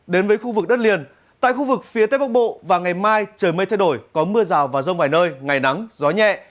đến với khu vực đất liền tại khu vực phía tây bắc bộ và ngày mai trời mây thay đổi có mưa rào và rông vài nơi ngày nắng gió nhẹ